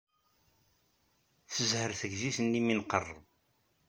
Tezher teydit-nni mi nqerreb.